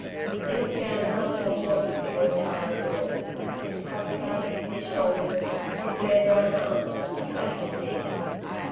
He looked down upon the foreshortened figure of Barney Bill, his cloth cap, his shoulders, his bare brown arms, a patch of knee.